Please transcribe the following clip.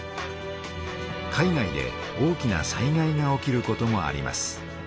海外で大きなさい害が起きることもあります。